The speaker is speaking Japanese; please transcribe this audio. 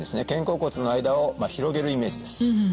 肩甲骨の間を広げるイメージです。